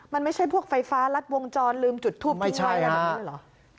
มันไม่ใช่พวกไฟฟ้ารัดวงจรลืมจุดทูปทิ้งไว้อะไรแบบนี้เลยเหรอ